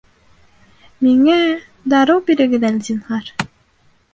Миңә... дарыу бирегеҙ әле, зинһар